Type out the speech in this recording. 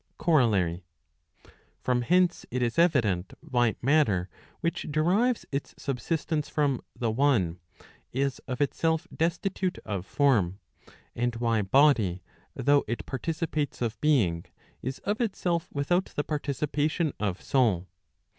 COROLLARY. From hence it is evident why matter which derives its subsistence from the one , is of itself destitute of form. And why body, though it partici¬ pates of being, is of itself without the participation of soul.